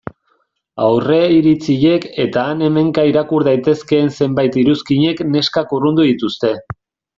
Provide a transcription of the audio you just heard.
Aurreiritziek eta han-hemenka irakur daitezkeen zenbait iruzkinek neskak urrundu dituzte.